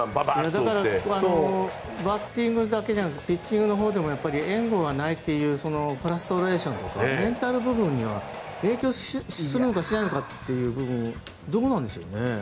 だからバッティングだけじゃなくてピッチングでも援護がないというフラストレーションとかメンタル部分には影響するのかしないのかっていう部分どうなんでしょうかね。